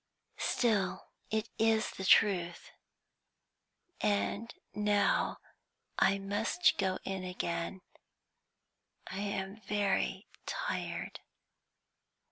"Still, it is the truth. And now I must go in again; I am very tired."